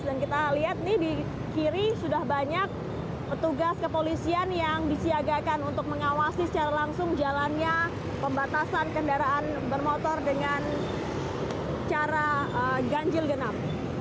dan kita lihat di kiri sudah banyak petugas kepolisian yang disiagakan untuk mengawasi secara langsung jalannya pembatasan kendaraan bermotor dengan cara ganjil genap